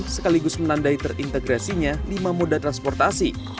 sekaligus menandai terintegrasinya lima moda transportasi